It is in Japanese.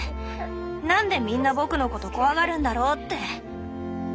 なんでみんな僕のこと怖がるんだろうって。